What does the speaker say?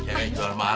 ya itu harum banget